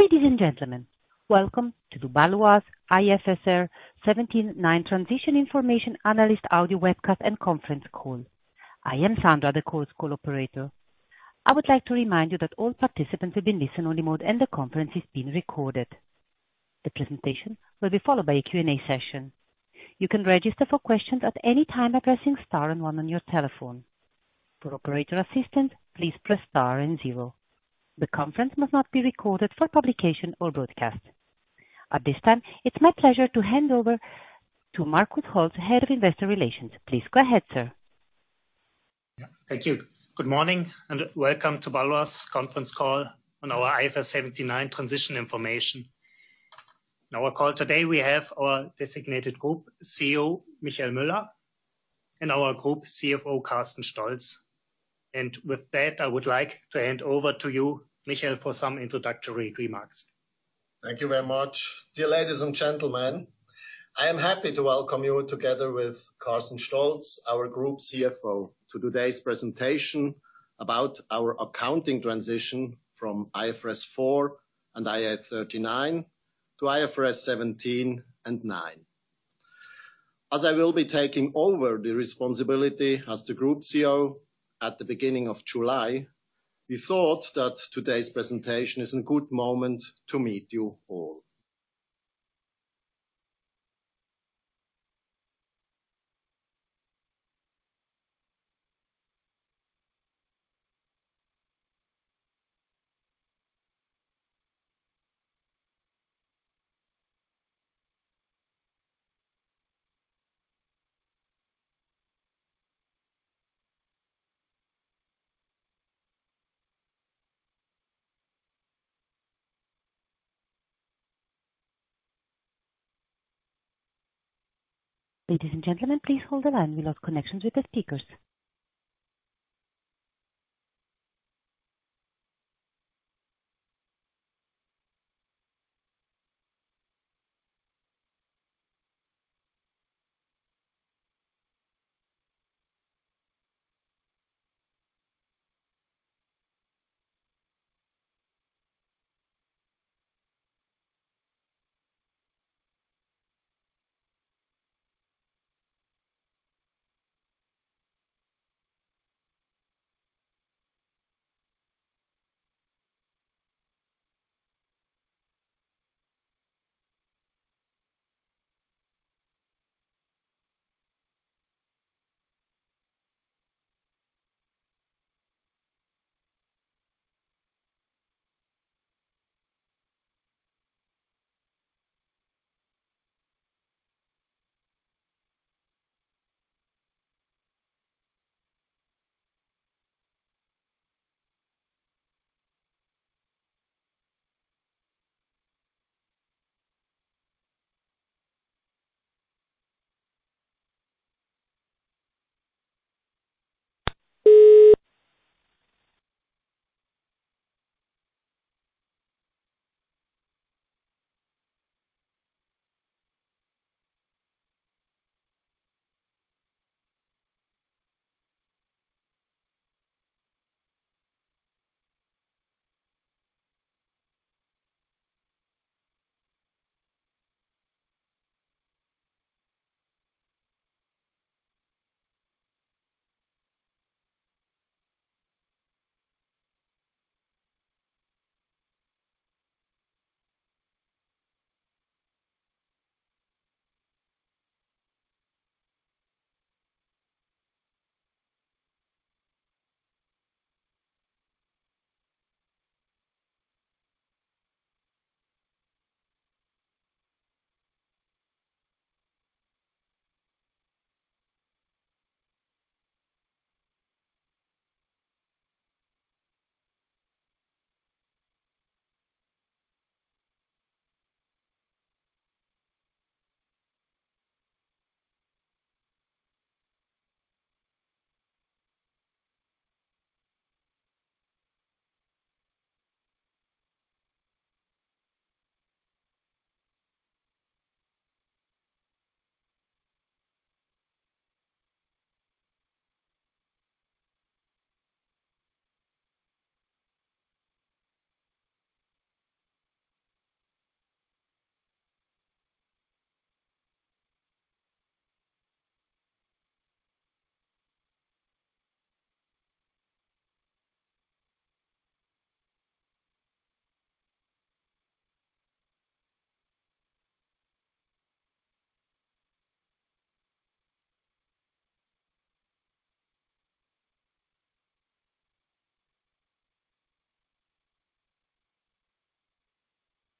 Ladies and gentlemen, welcome to the Baloise IFRS 17/9 transition information analyst audio webcast and conference call. I am Sandra, the call's call operator. I would like to remind you that all participants will be in listen-only mode and the conference is being recorded. The presentation will be followed by a Q&A session. You can register for questions at any time by pressing star one on your telephone. For operator assistance, please press star then zero. The conference must not be recorded for publication or broadcast. At this time, it's my pleasure to hand over to Markus Holtz, Head of Investor Relations. Please go ahead, sir. Thank you. Good morning, welcome to Baloise conference call on our IFRS 17/9 transition information. On our call today, we have our designated Group CEO, Michael Müller, and our Group CFO, Carsten Stolz. With that, I would like to hand over to you, Michael, for some introductory remarks. Thank you very much. Dear ladies and gentlemen, I am happy to welcome you together with Carsten Stolz, our Group CFO, to today's presentation about our accounting transition from IFRS 4 and IAS 39 to IFRS 17 and 9. As I will be taking over the responsibility as the Group CEO at the beginning of July, we thought that today's presentation is a good moment to meet you all. Ladies and gentlemen, please hold the line. We'll have connections with the speakers.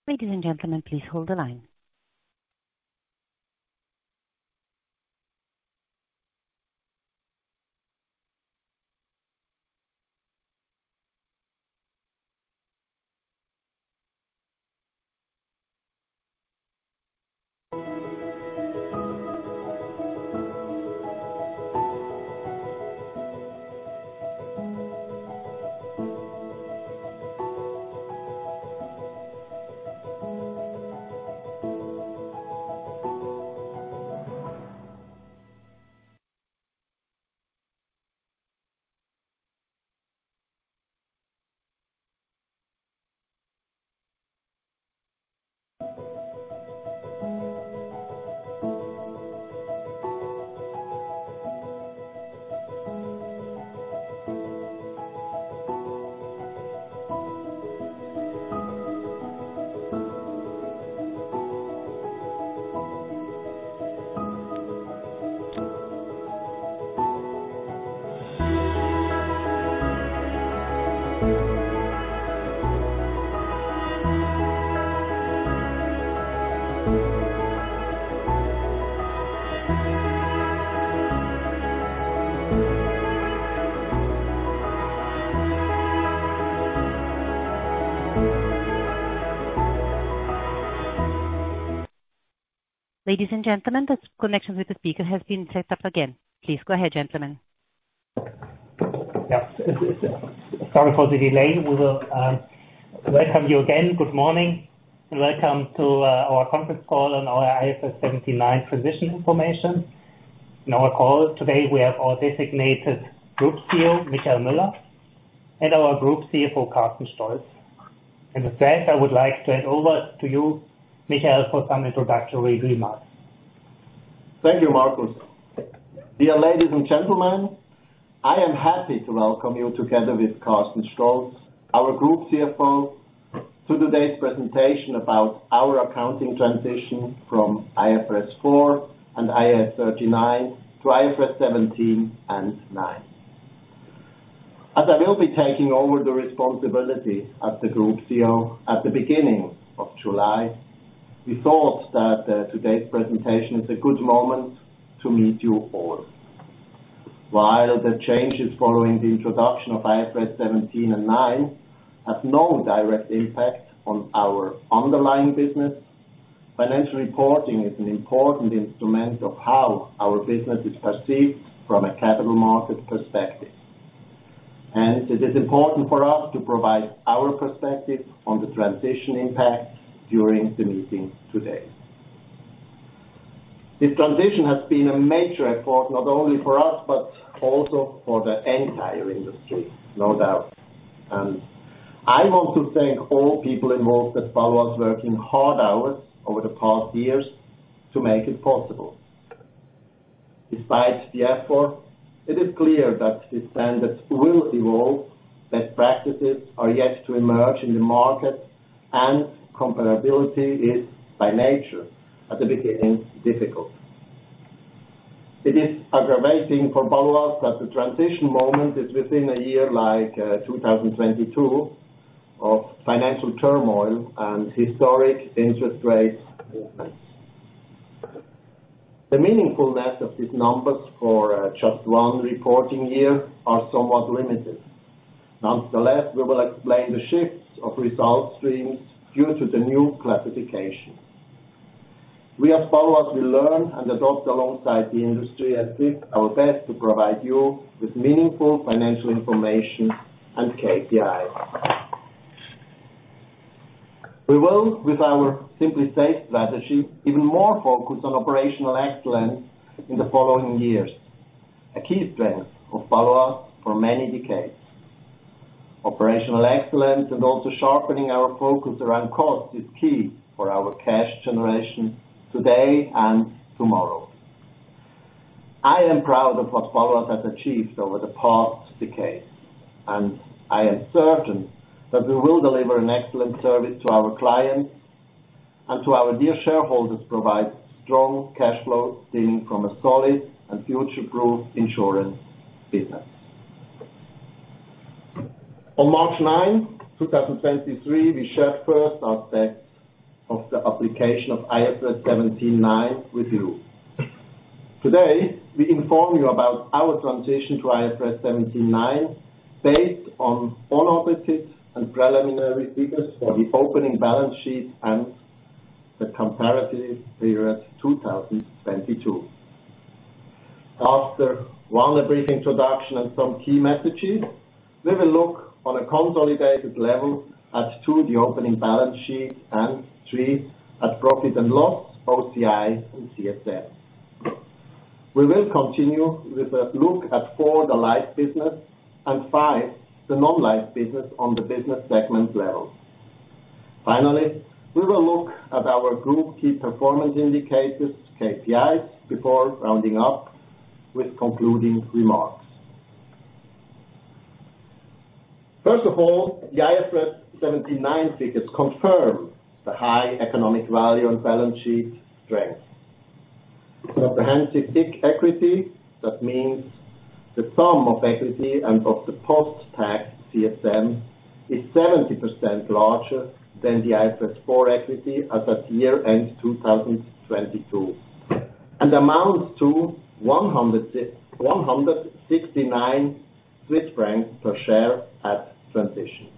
Ladies and gentlemen, please hold the line. Ladies and gentlemen, the connection with the speaker has been set up again. Please go ahead, gentlemen. Yeah, sorry for the delay. We will welcome you again. Good morning, and welcome to our conference call on our IFRS 17/9 transition information. In our call today, we have our designated Group CEO, Michael Müller, and our Group CFO, Carsten Stolz. With that, I would like to hand over to you, Michael, for some introductory remarks. Thank you, Markus. Dear ladies and gentlemen, I am happy to welcome you together with Carsten Stolz, our Group CFO, to today's presentation about our accounting transition from IFRS 4 and IAS 39 to IFRS 17 and 9. As I will be taking over the responsibility as the Group CEO at the beginning of July, we thought that today's presentation is a good moment to meet you all. While the changes following the introduction of IFRS 17 and 9 have no direct impact on our underlying business, financial reporting is an important instrument of how our business is perceived from a capital market perspective. It is important for us to provide our perspective on the transition impact during the meeting today. This transition has been a major effort, not only for us, but also for the entire industry, no doubt. I want to thank all people involved at Baloise, working hard hours over the past years to make it possible. Besides the effort, it is clear that the standards will evolve, that practices are yet to emerge in the market, and comparability is, by nature, at the beginning, difficult. It is aggravating for Baloise that the transition moment is within a year like 2022, of financial turmoil and historic interest rates movements. The meaningfulness of these numbers for just one reporting year are somewhat limited. Nonetheless, we will explain the shifts of result streams due to the new classification. We at Baloise will learn and adopt alongside the industry and did our best to provide you with meaningful financial information and KPI. We will, with our Simply Safe strategy, even more focus on operational excellence in the following years, a key strength of Baloise for many decades. Operational excellence and also sharpening our focus around cost is key for our cash generation today and tomorrow. I am proud of what Baloise has achieved over the past decade, and I am certain that we will deliver an excellent service to our clients, and to our dear shareholders, provide strong cash flow stemming from a solid and future-proof insurance business. On March 9th, 2023, we shared first aspects of the application of IFRS 17/9 with you. Today, we inform you about our transition to IFRS 17/9, based on unaudited and preliminary figures for the opening balance sheet and the comparative period, 2022. After one, a brief introduction and some key messages, we will look on a consolidated level at two, the opening balance sheet, and three, at profit and loss, OCI and CSM. We will continue with a look at four, the life business, and five, the Non-Life business on the business segment level. Finally, we will look at our group key performance indicators, KPIs, before rounding up with concluding remarks. First of all, the IFRS 17/9 figures confirm the high economic value and balance sheet strength. Comprehensive equity, that means the sum of equity and of the post-tax CSM, is 70% larger than the IFRS 4 equity as at year-end 2022, and amounts to 169 francs per share at transition.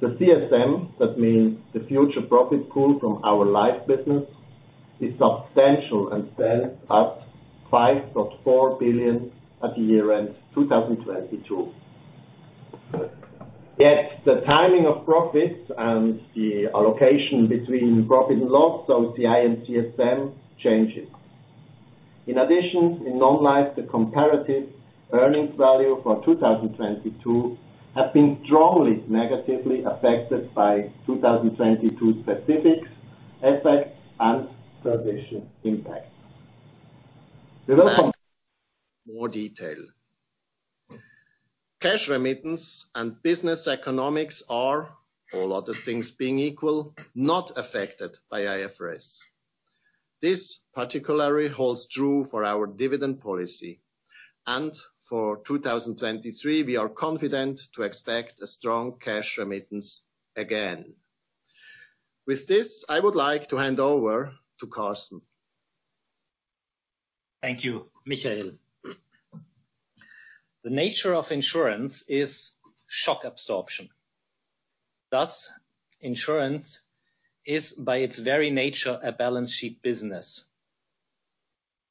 The CSM, that means the future profit pool from our life business, is substantial and stands at 5.4 billion at year end 2022. The timing of profits and the allocation between profit and loss of OCI and CSM changes. In Non-Life, the comparative earnings value for 2022 has been strongly negatively affected by 2022 specifics, effects, and prohibition impact. More detail. Cash remittance and business economics are, all other things being equal, not affected by IFRS. This particularly holds true for our dividend policy, and for 2023, we are confident to expect a strong cash remittance again. With this, I would like to hand over to Carsten. Thank you, Michael. The nature of insurance is shock absorption. Thus, insurance is, by its very nature, a balance sheet business.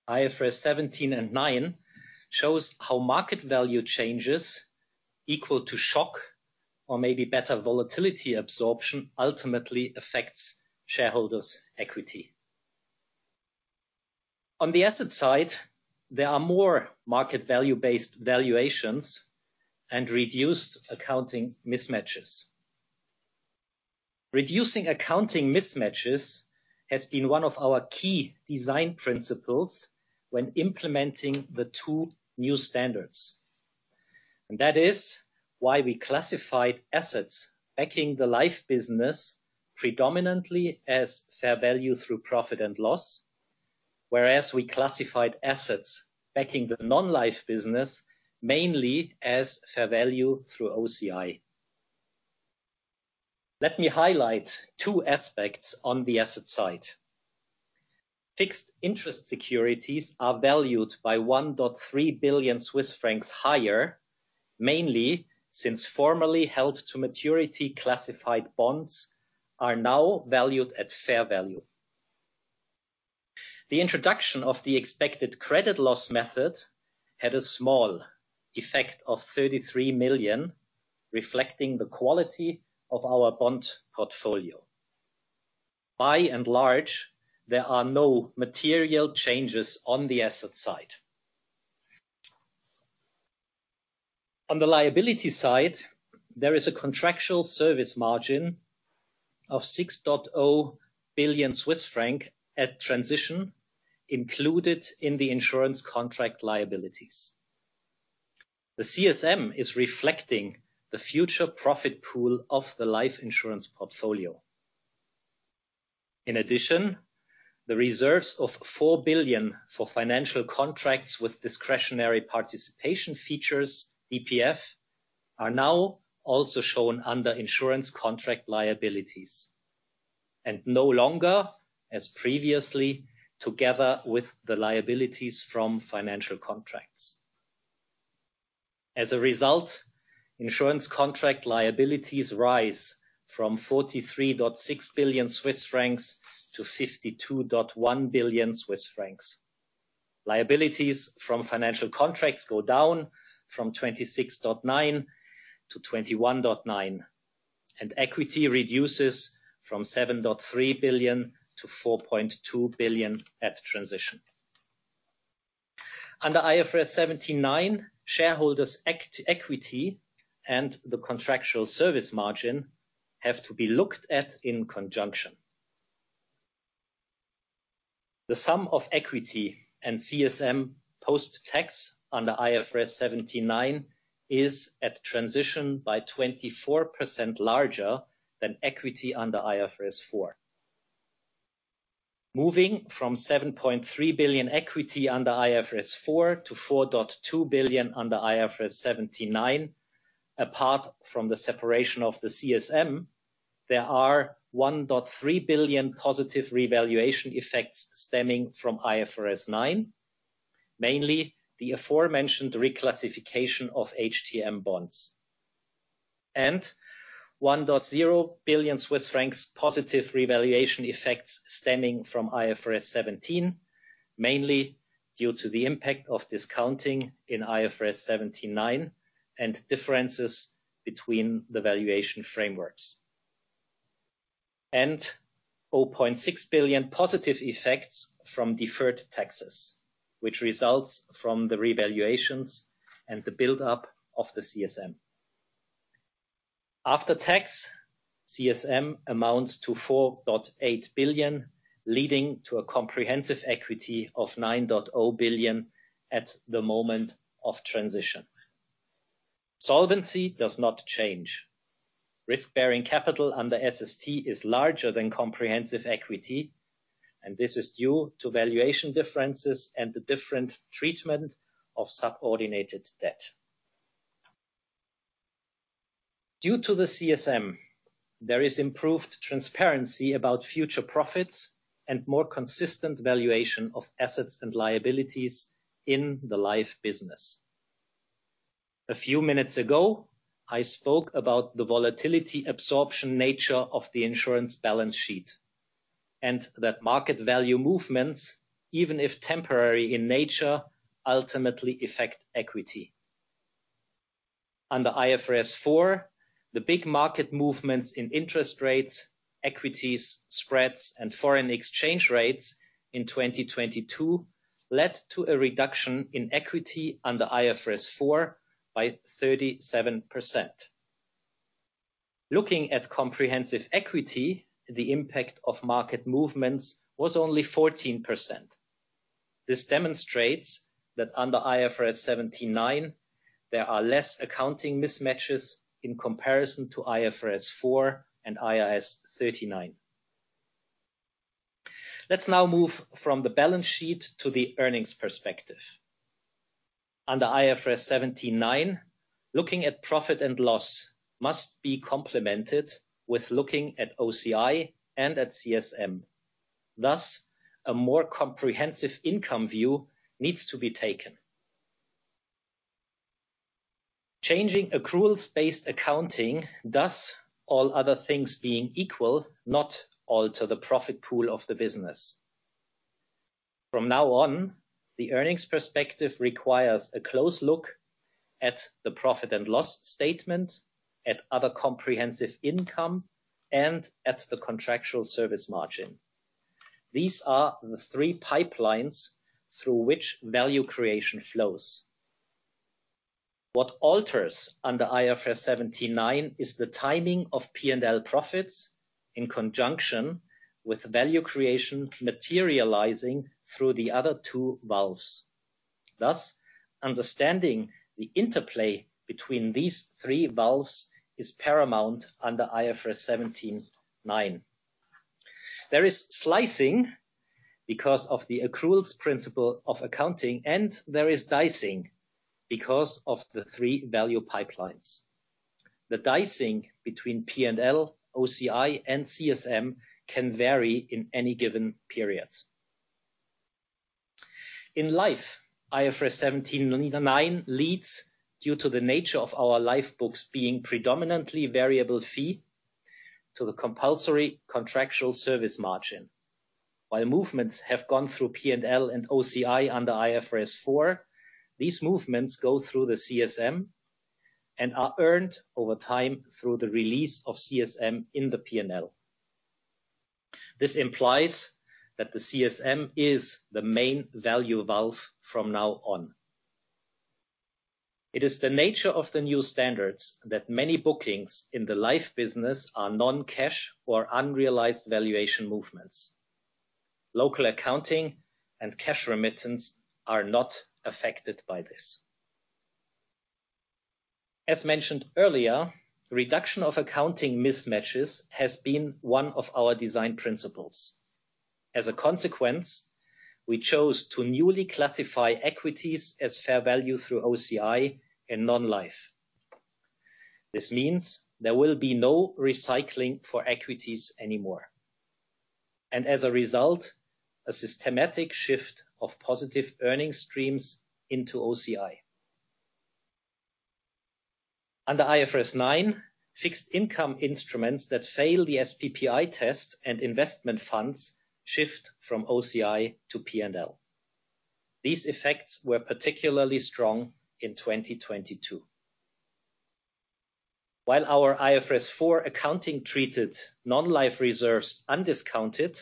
IFRS 17 and 9 shows how market value changes equal to shock, or maybe better volatility absorption, ultimately affects shareholders' equity. On the asset side, there are more market value-based valuations and reduced accounting mismatches. Reducing accounting mismatches has been one of our key design principles when implementing the two new standards, and that is why we classified assets backing the life business predominantly as fair value through profit or loss. Whereas, we classified assets backing the Non-Life business, mainly as fair value through OCI. Let me highlight two aspects on the asset side. Fixed interest securities are valued by 1.3 billion Swiss francs higher, mainly since formerly held to maturity classified bonds are now valued at fair value. The introduction of the expected credit loss method had a small effect of 33 million, reflecting the quality of our bond portfolio. By and large, there are no material changes on the asset side. On the liability side, there is a contractual service margin of 6.0 billion Swiss franc at transition, included in the insurance contract liabilities. The CSM is reflecting the future profit pool of the life insurance portfolio. In addition, the reserves of 4 billion for financial contracts with discretionary participation features, DPF, are now also shown under insurance contract liabilities, and no longer, as previously, together with the liabilities from financial contracts. As a result, insurance contract liabilities rise from 43.6 billion Swiss francs to 52.1 billion Swiss francs. Liabilities from financial contracts go down from 26.9 to 21.9. Equity reduces from 7.3 billion to 4.2 billion at transition. Under IFRS 17/9, shareholders' equity and the contractual service margin have to be looked at in conjunction. The sum of equity and CSM post-tax under IFRS 17/9 is, at transition, by 24% larger than equity under IFRS 4. Moving from 7.3 billion equity under IFRS 4 to 4.2 billion under IFRS 17/9, apart from the separation of the CSM, there are 1.3 billion positive revaluation effects stemming from IFRS 9. Mainly, the aforementioned reclassification of HTM bonds. 1.0 billion Swiss francs positive revaluation effects stemming from IFRS 17, mainly due to the impact of discounting in IFRS 17/9, and differences between the valuation frameworks. 0.6 billion positive effects from deferred taxes, which results from the revaluations and the build-up of the CSM. After tax, CSM amounts to 4.8 billion, leading to a comprehensive equity of 9.0 billion at the moment of transition. Solvency does not change. Risk-bearing capital under SST is larger than comprehensive equity, and this is due to valuation differences and the different treatment of subordinated debt. Due to the CSM, there is improved transparency about future profits and more consistent valuation of assets and liabilities in the life business. A few minutes ago, I spoke about the volatility absorption nature of the insurance balance sheet, and that market value movements, even if temporary in nature, ultimately affect equity. Under IFRS 4, the big market movements in interest rates, equities, spreads, and foreign exchange rates in 2022 led to a reduction in equity under IFRS 4 by 37%. Looking at comprehensive equity, the impact of market movements was only 14%. This demonstrates that under IFRS 17/9, there are less accounting mismatches in comparison to IFRS 4 and IAS 39. Let's now move from the balance sheet to the earnings perspective. Under IFRS 17/9, looking at profit and loss must be complemented with looking at OCI and at CSM. A more comprehensive income view needs to be taken. Changing accruals-based accounting, thus, all other things being equal, not alter the profit pool of the business. From now on, the earnings perspective requires a close look at the profit and loss statement, at other comprehensive income, and at the contractual service margin. These are the three pipelines through which value creation flows. What alters under IFRS 17/9 is the timing of P&L profits, in conjunction with value creation materializing through the other two valves. Thus, understanding the interplay between these three valves is paramount under IFRS 17/9. There is slicing because of the accruals principle of accounting, and there is dicing because of the three value pipelines. The dicing between P&L, OCI, and CSM can vary in any given periods. In life, IFRS 17/9 leads due to the nature of our life books being predominantly variable fee to the compulsory contractual service margin. While movements have gone through P&L and OCI under IFRS 4, these movements go through the CSM and are earned over time through the release of CSM in the P&L. This implies that the CSM is the main value valve from now on. It is the nature of the new standards that many bookings in the life business are non-cash or unrealized valuation movements. Local accounting and cash remittance are not affected by this. As mentioned earlier, reduction of accounting mismatches has been one of our design principles. As a consequence, we chose to newly classify equities as fair value through OCI and Non-Life. This means there will be no recycling for equities anymore, and as a result, a systematic shift of positive earning streams into OCI. Under IFRS 9, fixed income instruments that fail the SPPI test and investment funds shift from OCI to P&L. These effects were particularly strong in 2022. While our IFRS 4 accounting treated Non-Life reserves undiscounted,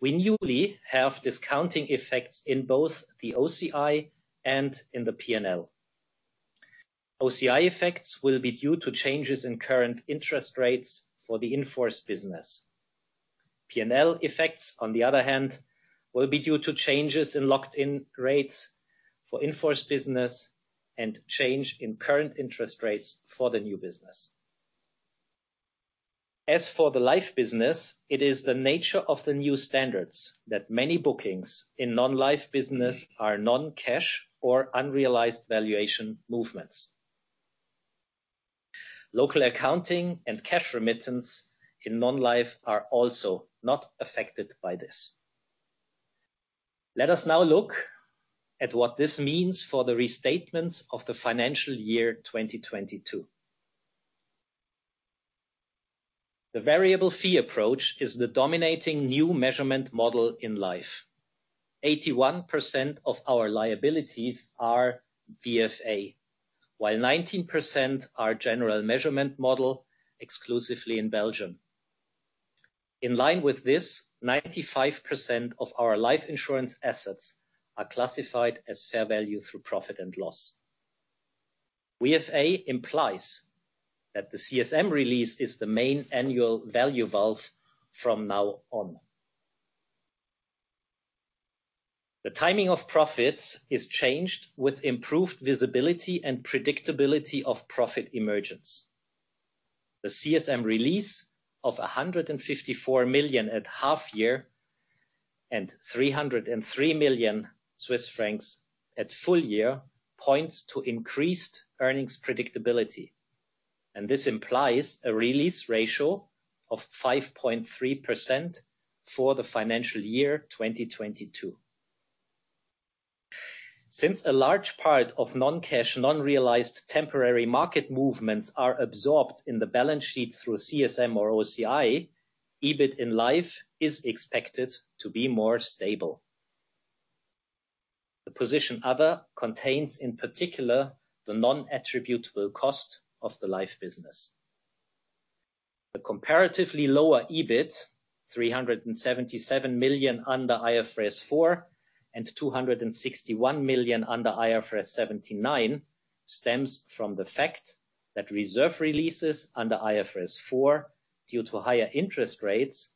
we newly have discounting effects in both the OCI and in the P&L. OCI effects will be due to changes in current interest rates for the in-force business. P&L effects, on the other hand, will be due to changes in locked-in rates for in-force business and change in current interest rates for the new business. As for the life business, it is the nature of the new standards that many bookings in Non-Life business are non-cash or unrealized valuation movements. Local accounting and cash remittance in Non-Life are also not affected by this. Let us now look at what this means for the restatements of the financial year 2022. The variable fee approach is the dominating new measurement model in life. 81% of our liabilities are VFA, while 19% are general measurement model, exclusively in Belgium. In line with this, 95% of our life insurance assets are classified as fair value through profit or loss. VFA implies that the CSM release is the main annual value valve from now on. The timing of profits is changed with improved visibility and predictability of profit emergence. The CSM release of 154 million at half year, and 303 million Swiss francs at full year, points to increased earnings predictability, and this implies a release ratio of 5.3% for the financial year 2022. Since a large part of non-cash, non-realized temporary market movements are absorbed in the balance sheet through CSM or OCI, EBIT in Life is expected to be more stable. The position other, contains, in particular, the non-attributable cost of the Life business. The comparatively lower EBIT, 377 million under IFRS 4, and 261 million under IFRS 17/9, stems from the fact that reserve releases under IFRS 4, due to higher interest rates,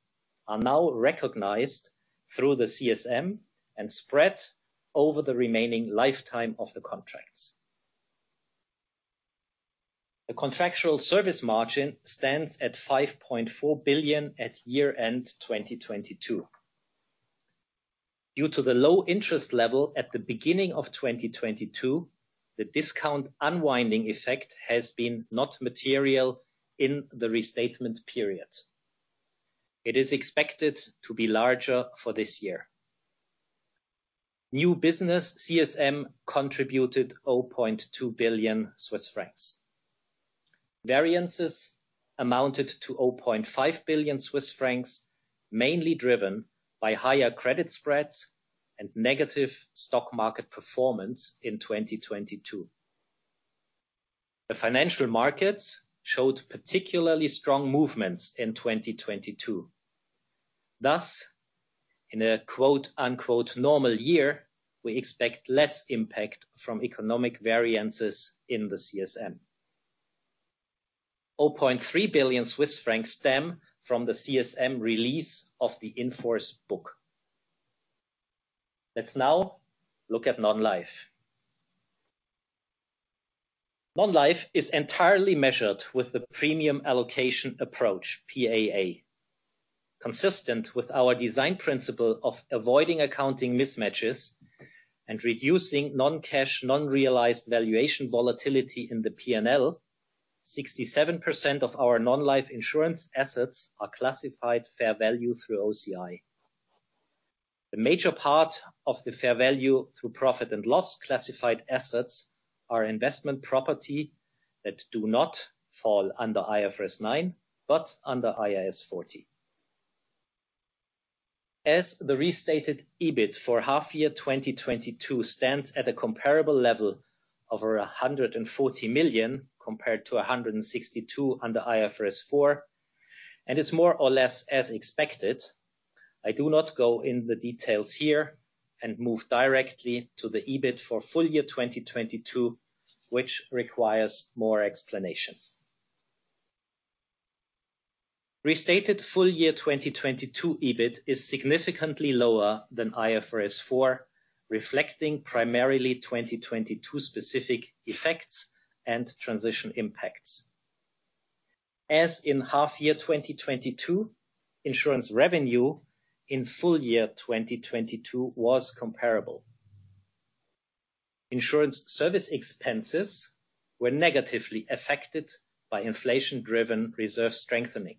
are now recognized through the CSM and spread over the remaining lifetime of the contracts. The contractual service margin stands at 5.4 billion at year-end 2022. Due to the low interest level at the beginning of 2022, the discount unwinding effect has been not material in the restatement period. It is expected to be larger for this year. New business CSM contributed 0.2 billion Swiss francs. Variances amounted to 0.5 billion Swiss francs, mainly driven by higher credit spreads and negative stock market performance in 2022. The financial markets showed particularly strong movements in 2022. Thus, in a, quote, unquote, "normal year", we expect less impact from economic variances in the CSM. 0.3 billion Swiss francs stem from the CSM release of the in-force book. Let's now look at Non-Life. Non-Life is entirely measured with the premium allocation approach, PAA. Consistent with our design principle of avoiding accounting mismatches and reducing non-cash, non-realized valuation volatility in the P&L, 67% of our Non-Life insurance assets are classified fair value through OCI. The major part of the fair value through profit or loss classified assets are investment property that do not fall under IFRS 9, but under IAS 40. As the restated EBIT for half year 2022 stands at a comparable level of 140 million, compared to 162 million under IFRS 4, and is more or less as expected. I do not go in the details here and move directly to the EBIT for full year 2022, which requires more explanation. Restated full year 2022 EBIT is significantly lower than IFRS 4, reflecting primarily 2022 specific effects and transition impacts. As in half year 2022, insurance revenue in full year 2022 was comparable. Insurance service expenses were negatively affected by inflation-driven reserve strengthening.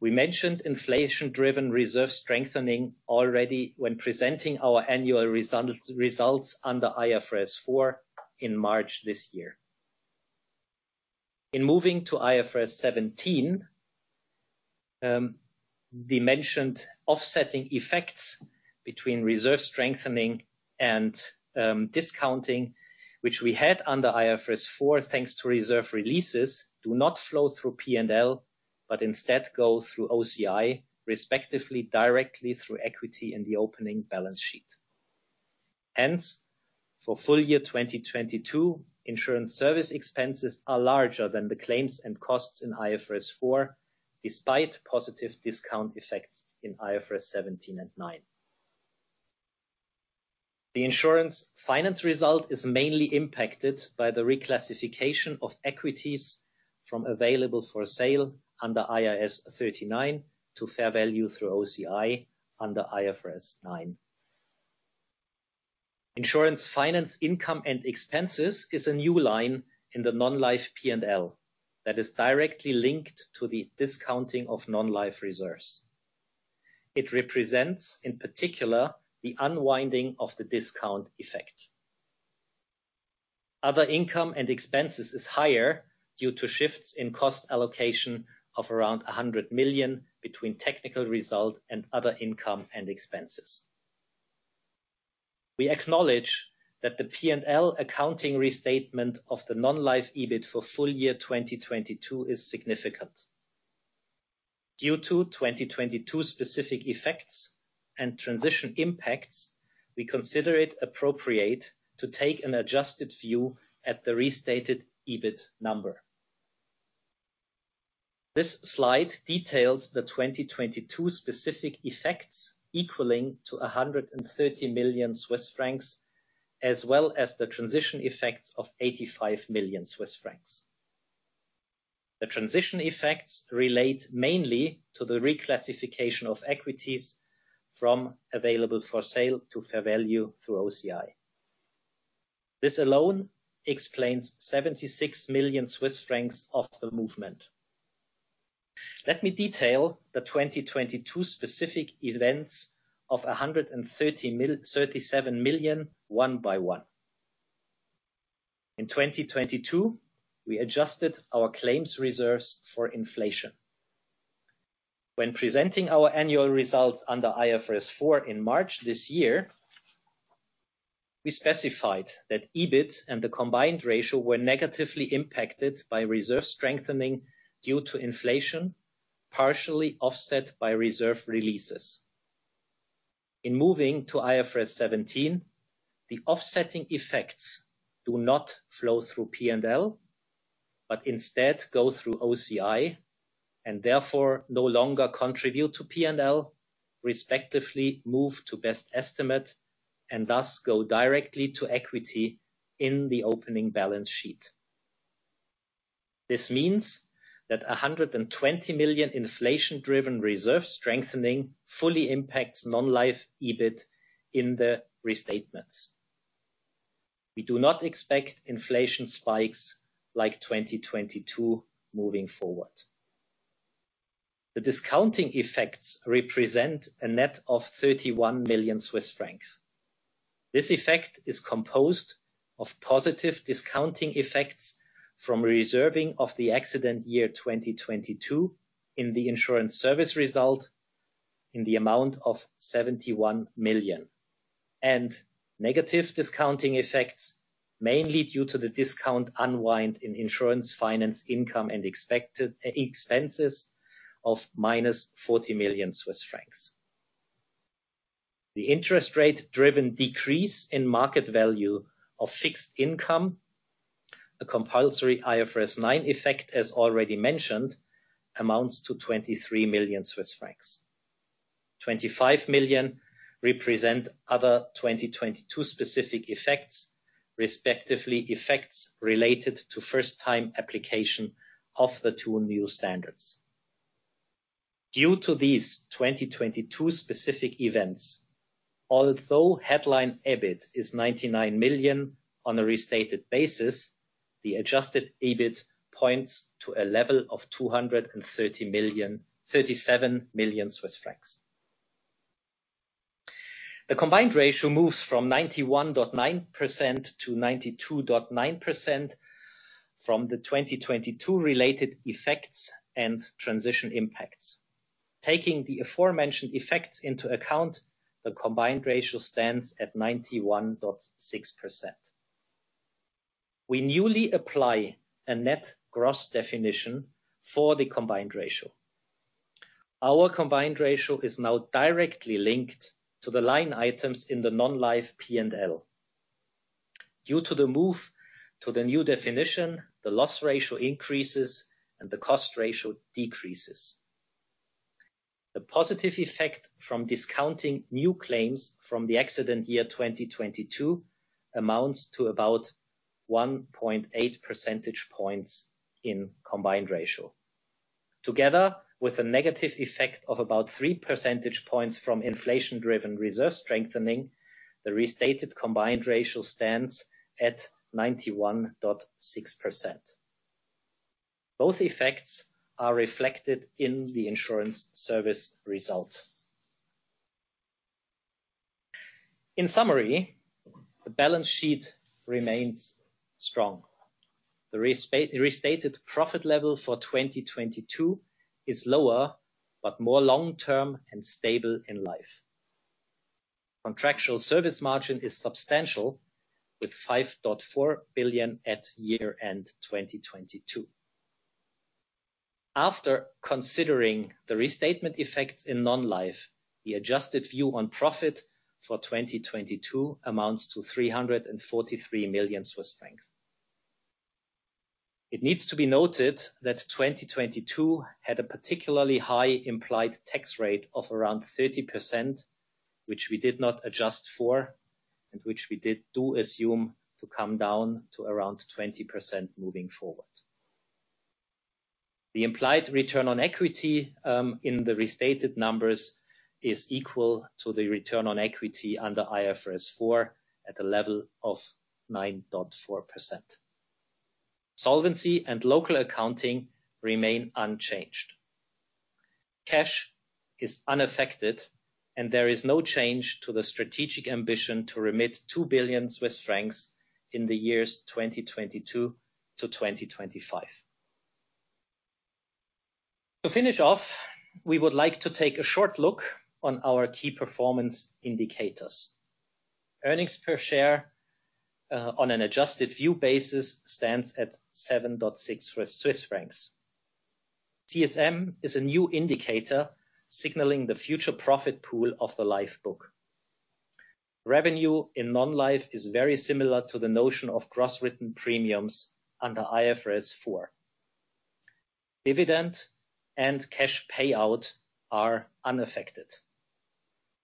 We mentioned inflation-driven reserve strengthening already when presenting our annual results under IFRS 4 in March this year. In moving to IFRS 17, the mentioned offsetting effects between reserve strengthening and discounting, which we had under IFRS 4, thanks to reserve releases, do not flow through P&L, but instead go through OCI, respectively, directly through equity in the opening balance sheet. For full year 2022, insurance service expenses are larger than the claims and costs in IFRS 4, despite positive discount effects in IFRS 17 and 9. The insurance finance result is mainly impacted by the reclassification of equities from available for sale under IAS 39 to fair value through OCI under IFRS 9. Insurance finance income and expenses is a new line in the Non-Life P&L, that is directly linked to the discounting of Non-Life reserves. It represents, in particular, the unwinding of the discount effect. Other income and expenses is higher due to shifts in cost allocation of around 100 million between technical result and other income and expenses. We acknowledge that the P&L accounting restatement of the Non-Life EBIT for full year 2022 is significant. Due to 2022 specific effects and transition impacts, we consider it appropriate to take an adjusted view at the restated EBIT number. This slide details the 2022 specific effects equaling to 130 million Swiss francs, as well as the transition effects of 85 million Swiss francs. The transition effects relate mainly to the reclassification of equities from available for sale to fair value through OCI. This alone explains 76 million Swiss francs of the movement. Let me detail the 2022 specific events of 137 million, one by one. In 2022, we adjusted our claims reserves for inflation. When presenting our annual results under IFRS 4 in March this year, we specified that EBIT and the combined ratio were negatively impacted by reserve strengthening due to inflation, partially offset by reserve releases. In moving to IFRS 17, the offsetting effects do not flow through P&L, but instead go through OCI, and therefore no longer contribute to P&L, respectively, move to best estimate, and thus go directly to equity in the opening balance sheet. This means that 120 million inflation-driven reserve strengthening fully impacts Non-Life EBIT in the restatements. We do not expect inflation spikes like 2022 moving forward. The discounting effects represent a net of 31 million Swiss francs. This effect is composed of positive discounting effects from reserving of the accident year 2022, in the insurance service result, in the amount of 71 million. Negative discounting effects, mainly due to the discount unwind in insurance finance income and expected expenses of -40 million Swiss francs. The interest rate-driven decrease in market value of fixed income, a compulsory IFRS 9 effect, as already mentioned, amounts to 23 million Swiss francs. 25 million represent other 2022 specific effects, respectively, effects related to first-time application of the two new standards. Due to these 2022 specific events, although headline EBIT is 99 million on a restated basis, the adjusted EBIT points to a level of 237 million. The combined ratio moves from 91.9% to 92.9% from the 2022 related effects and transition impacts. Taking the aforementioned effects into account, the combined ratio stands at 91.6%. We newly apply a net gross definition for the combined ratio. Our combined ratio is now directly linked to the line items in the Non-Life P&L. Due to the move to the new definition, the loss ratio increases and the cost ratio decreases. The positive effect from discounting new claims from the accident year 2022, amounts to about 1.8 percentage points in combined ratio. Together, with a negative effect of about 3 percentage points from inflation-driven reserve strengthening, the restated combined ratio stands at 91.6%. Both effects are reflected in the insurance service result. In summary, the restated profit level for 2022 is lower, but more long-term and stable in life. Contractual service margin is substantial, with 5.4 billion at year-end 2022. After considering the restatement effects in Non-Life, the adjusted view on profit for 2022 amounts to 343 million Swiss francs. It needs to be noted that 2022 had a particularly high implied tax rate of around 30%, which we did not adjust for, which we did assume to come down to around 20% moving forward. The implied return on equity in the restated numbers, is equal to the return on equity under IFRS 4 at a level of 9.4%. Solvency and local accounting remain unchanged. Cash is unaffected, there is no change to the strategic ambition to remit 2 billion Swiss francs in the years 2022 to 2025. To finish off, we would like to take a short look on our key performance indicators. Earnings per share, on an adjusted view basis, stands at 7.6 Swiss francs. CSM is a new indicator signaling the future profit pool of the Life book. Revenue in Non-Life is very similar to the notion of gross written premiums under IFRS 4. Dividend and cash payout are unaffected.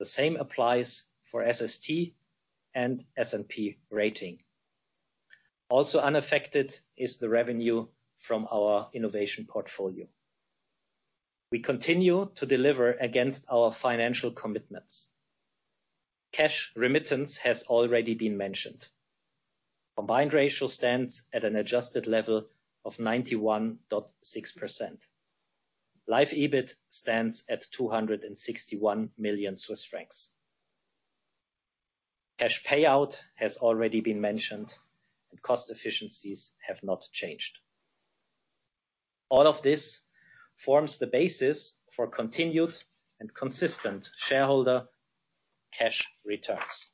The same applies for SST and S&P rating. Also unaffected is the revenue from our innovation portfolio. We continue to deliver against our financial commitments. Cash remittance has already been mentioned. Combined ratio stands at an adjusted level of 91.6%. Life EBIT stands at CHF 261 million. Cash payout has already been mentioned, and cost efficiencies have not changed. All of this forms the basis for continued and consistent shareholder cash returns.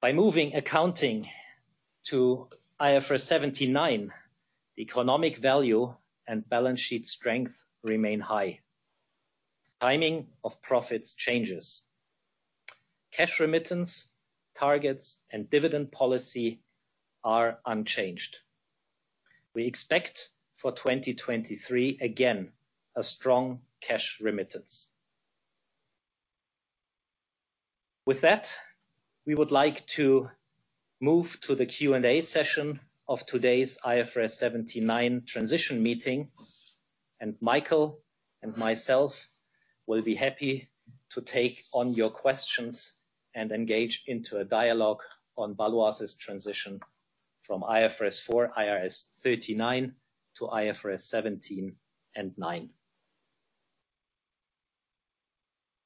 By moving accounting to IFRS 17/9, the economic value and balance sheet strength remain high. Timing of profits changes. Cash remittance, targets, and dividend policy are unchanged. We expect for 2023, again, a strong cash remittance. We would like to move to the Q&A session of today's IFRS 17/9 transition meeting, and Michael and myself will be happy to take on your questions and engage into a dialogue on Baloise's transition from IFRS 4, IAS 39 to IFRS 17 and 9.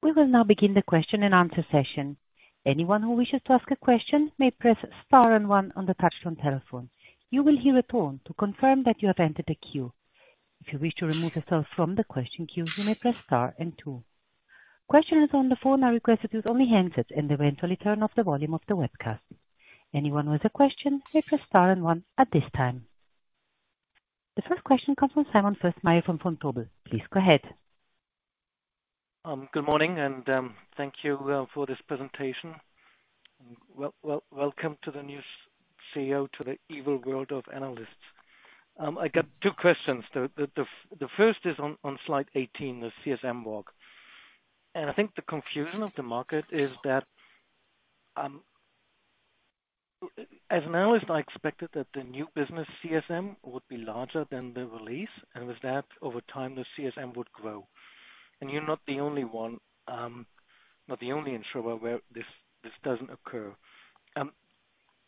We will now begin the question and answer session. Anyone who wishes to ask a question may press star and one on the touchtone telephone. You will hear a tone to confirm that you have entered the queue. If you wish to remove yourself from the question queue, you may press star and two. Questioners on the phone are requested to use only handsets and eventually turn off the volume of the webcast. Anyone with a question may press star and one at this time. The first question comes from Simon Fössmeier from Vontobel. Please go ahead. Good morning, and thank you for this presentation. Welcome to the new CEO, to the evil world of analysts. I got two questions. The first is on slide 18, the CSM walk. I think the confusion of the market is that as an analyst, I expected that the new business CSM would be larger than the release, and with that, over time, the CSM would grow. You're not the only one, not the only insurer where this doesn't occur.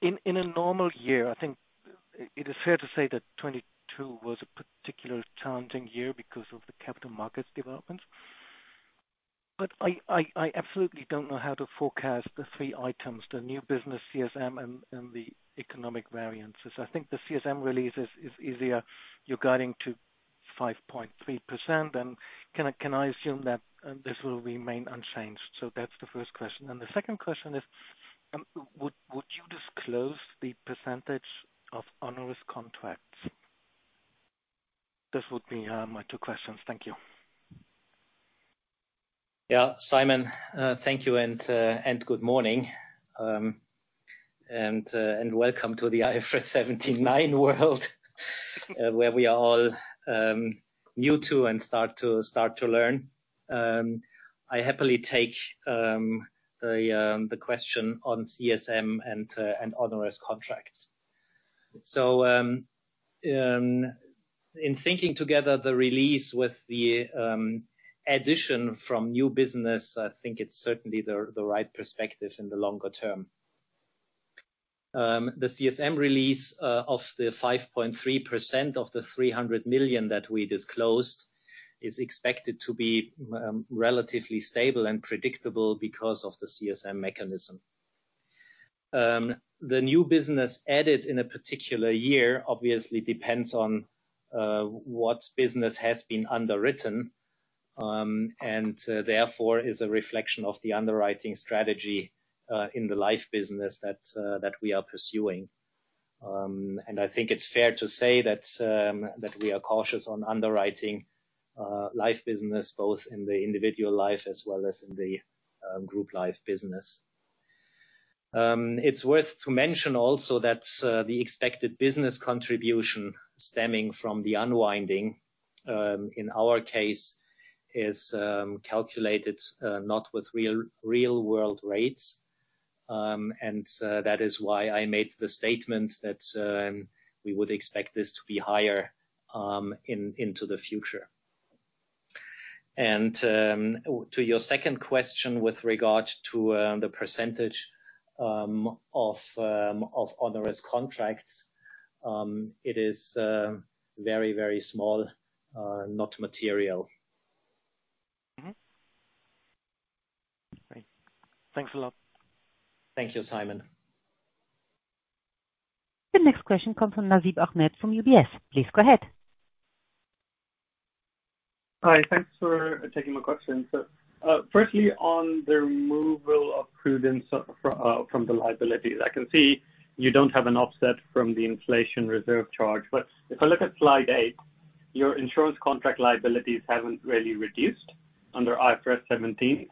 In a normal year, I think it is fair to say that 2022 was a particularly challenging year because of the capital markets developments. I absolutely don't know how to forecast the three items, the new business CSM and the economic variances. I think the CSM release is easier. You're guiding to 5.3%, and can I assume that this will remain unchanged? That's the first question. The second question is, would you disclose the percentage of onerous contracts? This would be my two questions. Thank you. Simon, thank you, and good morning. Welcome to the IFRS 17/9 world, where we are all new to and start to learn. I happily take the question on CSM and onerous contracts. In thinking together the release with the addition from new business, I think it's certainly the right perspective in the longer term. The CSM release of the 5.3% of the 300 million that we disclosed is expected to be relatively stable and predictable because of the CSM mechanism. The new business added in a particular year obviously depends on what business has been underwritten, and therefore is a reflection of the underwriting strategy in the life business that we are pursuing. I think it's fair to say that we are cautious on underwriting life business, both in the individual life as well as in the group life business. It's worth to mention also that the expected business contribution stemming from the unwinding, in our case is calculated not with real-world rates. That is why I made the statement that we would expect this to be higher into the future. To your second question with regard to the percentage of onerous contracts, it is very small, not material. Great. Thanks a lot. Thank you, Simon. The next question comes from Nasib Ahmed from UBS. Please go ahead. Hi, thanks for taking my question. Firstly, on the removal of prudence from the liabilities, I can see you don't have an offset from the inflation reserve charge. If I look at slide eight, your insurance contract liabilities haven't really reduced under IFRS 17.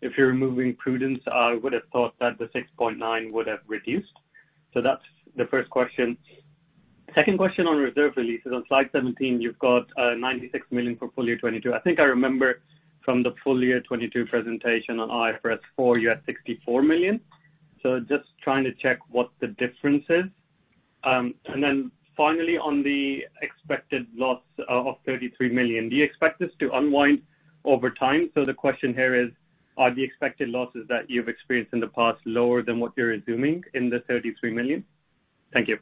If you're removing prudence, I would have thought that the 6.9 would have reduced. That's the first question. Second question on reserve releases. On slide 17, you've got 96 million for full year 2022. I think I remember from the full year 2022 presentation on IFRS 4, you had 64 million. Just trying to check what the difference is? Finally, on the expected loss of 33 million, do you expect this to unwind over time? The question here is: Are the expected losses that you've experienced in the past lower than what you're assuming in the 33 million? Thank you.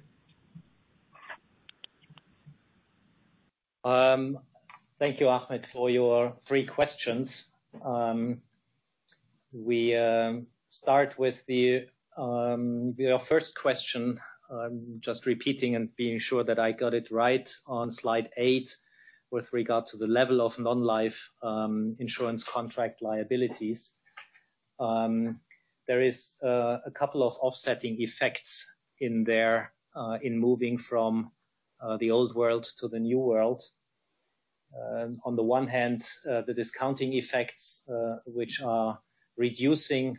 Thank you, Ahmed, for your three questions. We start with the your first question. Just repeating and being sure that I got it right, on slide eight, with regard to the level of Non-Life insurance contract liabilities, there is a couple of offsetting effects in there in moving from the old world to the new world. On the one hand, the discounting effects, which are reducing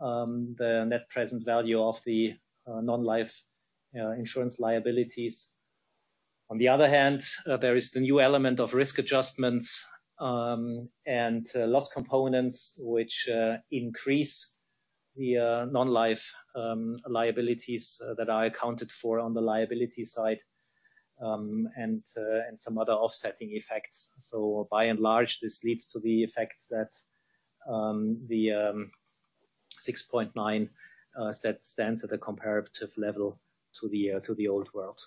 the net present value of the Non-Life insurance liabilities. On the other hand, there is the new element of risk adjustments and loss component, which increase the Non-Life liabilities that are accounted for on the liability side, and some other offsetting effects. By and large, this leads to the effect that the 6.9 stands at a comparative level to the old world.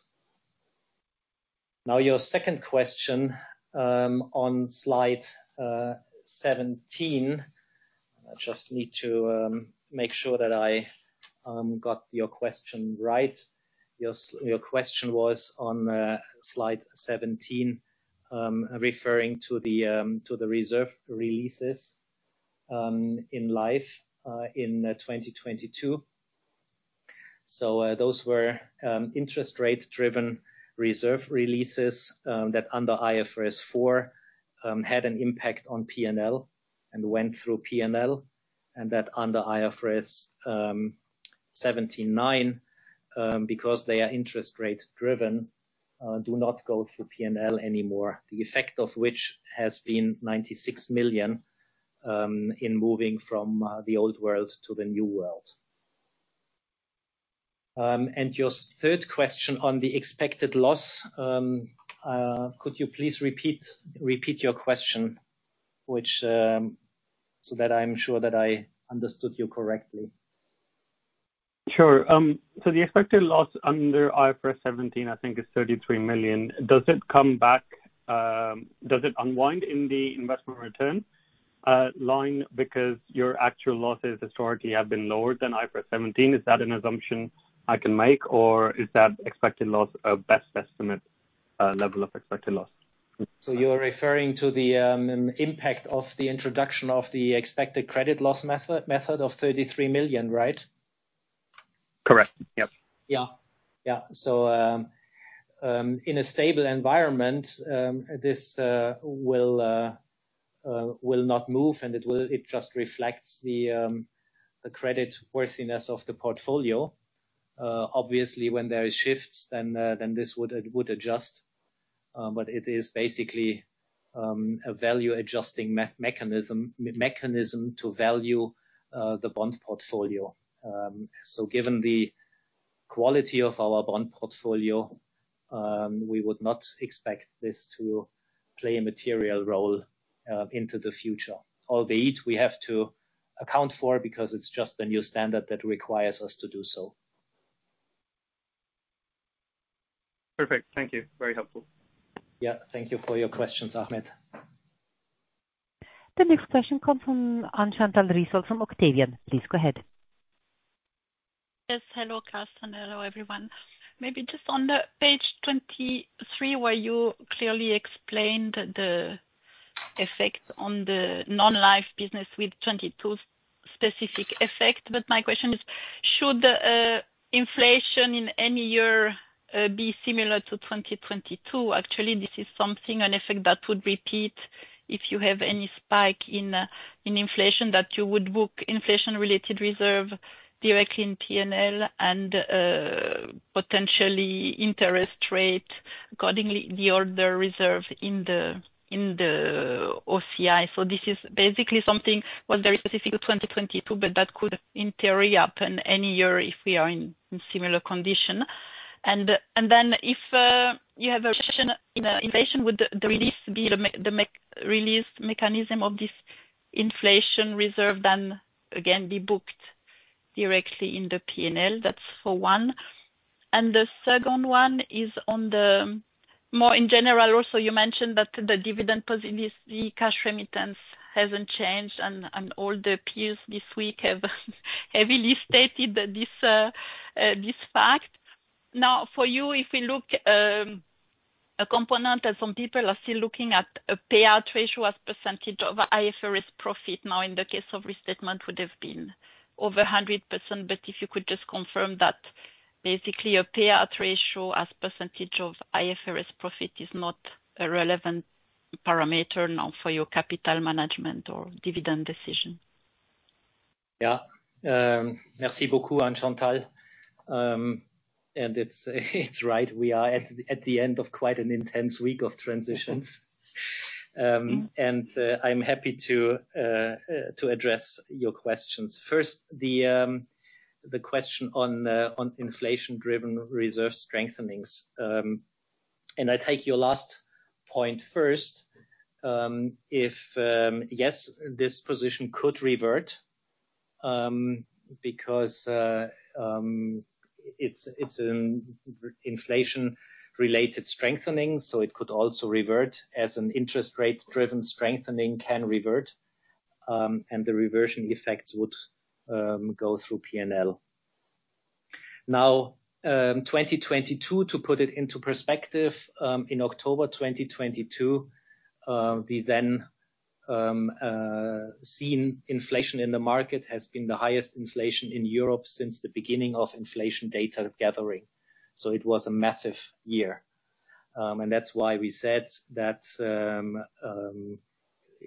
Your second question on slide 17. I just need to make sure that I got your question right. Your question was on slide 17, referring to the reserve releases in Life in 2022. Those were interest rate-driven reserve releases that under IFRS 4 had an impact on P&L and went through P&L, and that under IFRS 17/9, because they are interest rate-driven, do not go through P&L anymore, the effect of which has been 96 million in moving from the old world to the new world. Your third question on the expected loss, could you please repeat your question, which so that I'm sure that I understood you correctly? Sure. The expected loss under IFRS 17, I think, is 33 million. Does it come back, does it unwind in the investment return line? Because your actual losses historically have been lower than IFRS 17. Is that an assumption I can make, or is that expected loss a best estimate level of expected loss? You're referring to the impact of the introduction of the expected credit loss method of 33 million, right? Correct. Yep. Yeah, yeah. In a stable environment, this will not move, and it just reflects the credit worthiness of the portfolio. When there is shifts, then this would adjust. It is basically a value-adjusting mechanism to value the bond portfolio. Given the quality of our bond portfolio, we would not expect this to play a material role into the future, albeit we have to account for, because it's just a new standard that requires us to do so. Perfect. Thank you. Very helpful. Yeah. Thank you for your questions, Ahmed. The next question comes from Anne-Chantal Risold from Octavian. Please go ahead. Yes. Hello, Carsten, and hello, everyone. Maybe just on the page 23, where you clearly explained the effect on the Non-Life business with 22 specific effect. My question is, should the inflation in any year be similar to 2022? Actually, this is something, an effect, that would repeat if you have any spike in inflation, that you would book inflation-related reserve directly in P&L and potentially interest rate, accordingly, the other reserve in the OCI. This is basically something was very specific to 2022, but that could, in theory, happen any year if we are in similar condition. Then if you have inflation, would the release mechanism of this inflation reserve, then again, be booked directly in the P&L? That's for one. The second one is on the, more in general also, you mentioned that the dividend policy, the cash remittance hasn't changed, and all the peers this week have, heavily stated that this fact. Now, for you, if we look, a component that some people are still looking at, a payout ratio as percentage of IFRS profit, now in the case of restatement, would have been over 100%. If you could just confirm that basically a payout ratio as percentage of IFRS profit is not a relevant parameter now for your capital management or dividend decision. Yeah. Merci beaucoup, Anne-Chantal. It's right, we are at the end of quite an intense week of transitions. I'm happy to address your questions. First, the question on inflation-driven reserve strengthenings. I take your last point first. Yes, this position could revert because it's an inflation-related strengthening, so it could also revert as an interest rate-driven strengthening can revert, and the reversion effects would go through P&L. 2022, to put it into perspective, in October 2022, the then seen inflation in the market has been the highest inflation in Europe since the beginning of inflation data gathering, so it was a massive year. That's why we said that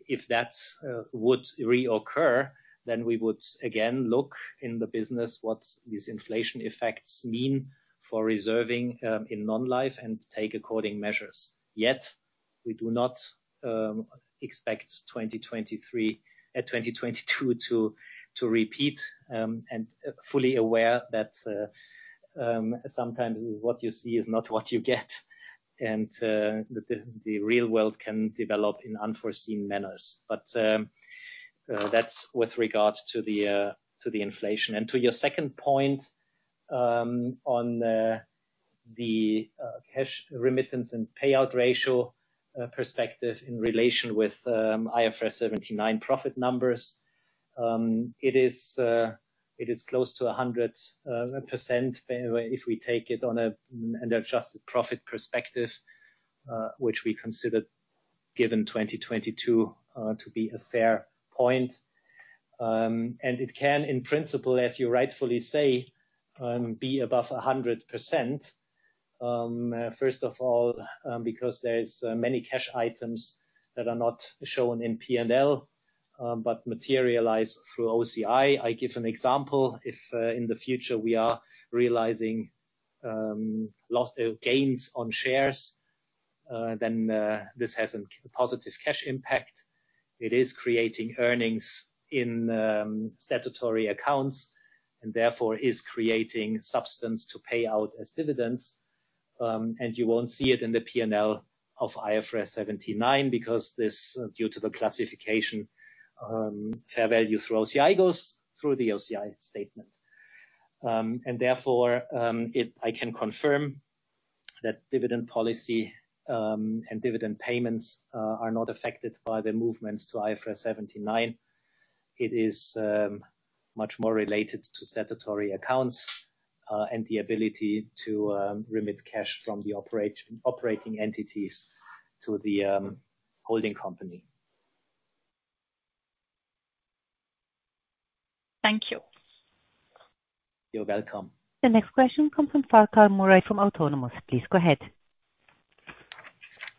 if that would reoccur, then we would again look in the business what these inflation effects mean for reserving in Non-Life and take according measures. Yet, we do not expect 2023, 2022 to repeat. Fully aware that sometimes what you see is not what you get, and the real world can develop in unforeseen manners. That's with regard to the inflation. To your second point, on the cash remittance and payout ratio perspective in relation with IFRS 79 profit numbers, it is close to 100%, if we take it on an adjusted profit perspective, which we consider, given 2022, to be a fair point. It can, in principle, as you rightfully say, be above 100%. First of all, because there's many cash items that are not shown in P&L, but materialize through OCI. I give an example: If, in the future, we are realizing gains on shares, then this has a positive cash impact. It is creating earnings in statutory accounts and therefore is creating substance to pay out as dividends, and you won't see it in the P&L of IFRS 9 because this, due to the classification, fair value through OCI goes through the OCI statement. Therefore, I can confirm that dividend policy and dividend payments are not affected by the movements to IFRS 9. It is much more related to statutory accounts and the ability to remit cash from the operating entities to the holding company. Thank you. You're welcome. The next question comes from Farquhar Murray from Autonomous. Please go ahead.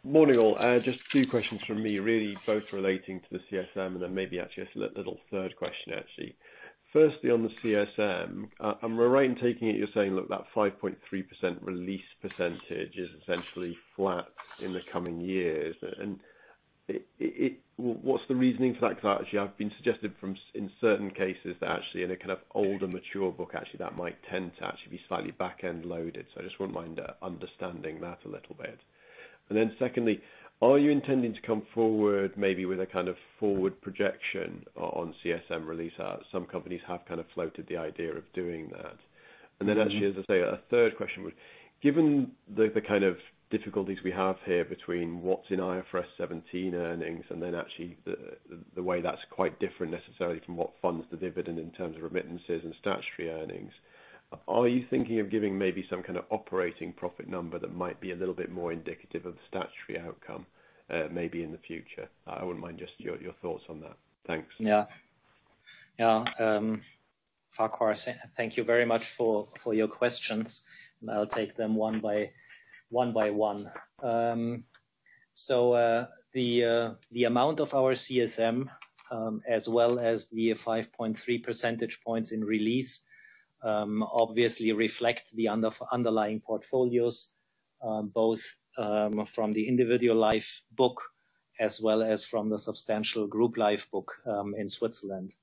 Morning, all. Just two questions from me, really both relating to the CSM, and then maybe actually a little third question, actually. Firstly, on the CSM, am I right in taking it, you're saying, look, that 5.3% release percentage is essentially flat in the coming years? What's the reasoning for that? 'Cause actually, I've been suggested from in certain cases that actually in a kind of older, mature book, actually, that might tend to actually be slightly back-end loaded. I just wouldn't mind understanding that a little bit. Secondly, are you intending to come forward maybe with a kind of forward projection on CSM release? Some companies have kind of floated the idea of doing that. Mm-hmm. Actually, as I say, a third question would: Given the kind of difficulties we have here between what's in IFRS 17 earnings and then actually the way that's quite different necessarily from what funds the dividend in terms of remittances and statutory earnings, are you thinking of giving maybe some kind of operating profit number that might be a little bit more indicative of the statutory outcome, maybe in the future? I wouldn't mind just your thoughts on that. Thanks. Yeah. Yeah, Farquhar, thank you very much for your questions, and I'll take them one by one. The amount of our CSM, as well as the 5.3 percentage points in release, obviously reflect the underlying portfolios, both from the individual life book as well as from the substantial group life book in Switzerland.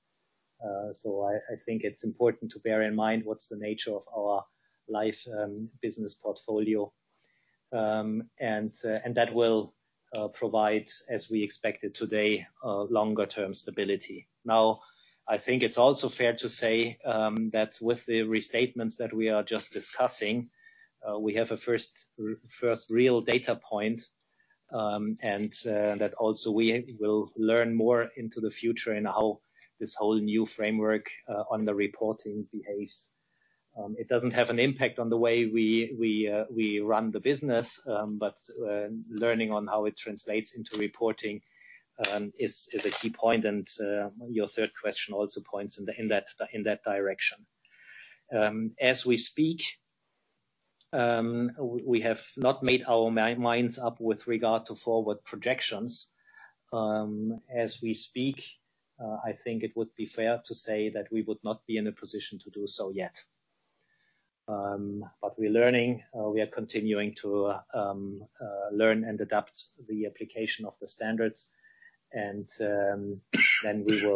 I think it's important to bear in mind what's the nature of our life business portfolio. That will provide, as we expected today, longer term stability. I think it's also fair to say, that with the restatements that we are just discussing, we have a first real data point, and that also we will learn more into the future and how this whole new framework on the reporting behaves. It doesn't have an impact on the way we run the business, but learning on how it translates into reporting is a key point, and your third question also points in that direction. As we speak, we have not made our minds up with regard to forward projections. As we speak, I think it would be fair to say that we would not be in a position to do so yet. We're learning. We are continuing to learn and adapt the application of the standards, then we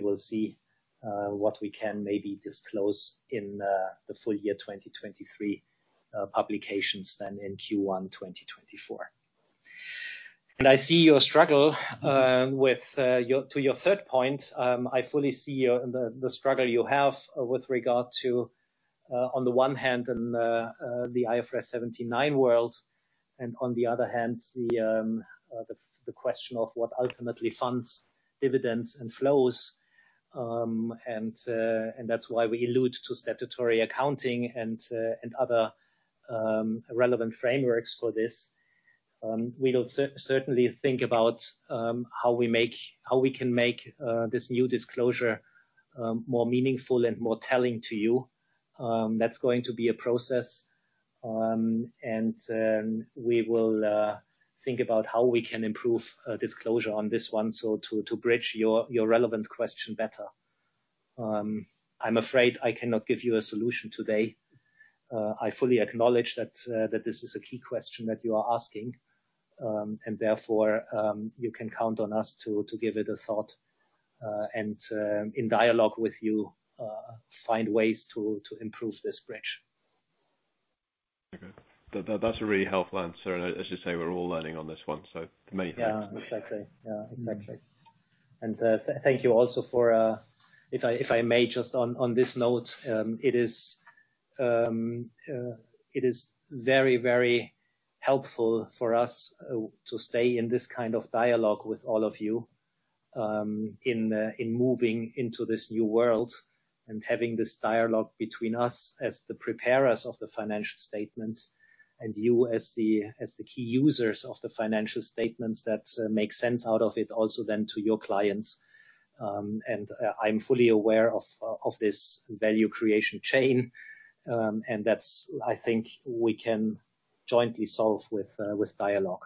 will see what we can maybe disclose in the full year 2023 publications then in Q1 2024. I see your struggle to your third point, I fully see your, the struggle you have with regard to on the one hand, in the IFRS 17/9 world, and on the other hand, the question of what ultimately funds dividends and flows. That's why we allude to statutory accounting and other relevant frameworks for this. We will certainly think about how we can make this new disclosure more meaningful and more telling to you. That's going to be a process. We will think about how we can improve disclosure on this one, so to bridge your relevant question better. I'm afraid I cannot give you a solution today. I fully acknowledge that this is a key question that you are asking, therefore, you can count on us to give it a thought, and in dialogue with you, find ways to improve this bridge. Okay. That's a really helpful answer, and as you say, we're all learning on this one, so to me- Yeah, exactly. Yeah, exactly. Thank you also for, if I, if I may, just on this note, it is very, very helpful for us, to stay in this kind of dialogue with all of you, in moving into this new world. Having this dialogue between us, as the preparers of the financial statements, and you, as the key users of the financial statements, that, make sense out of it also then to your clients. I'm fully aware of this value creation chain, and that's, I think, we can jointly solve with dialogue.